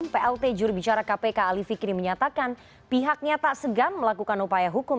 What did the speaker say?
plt jurubicara kpk ali fikri menyatakan pihaknya tak segan melakukan upaya hukum